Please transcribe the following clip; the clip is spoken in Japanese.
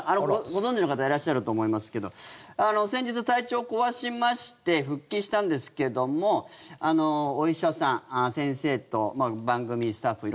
ご存じの方いらっしゃると思いますけど先日、体調を壊しまして復帰したんですけどもお医者さん、先生と番組スタッフ